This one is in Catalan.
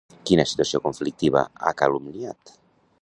Quina situació conflictiva ha calumniat?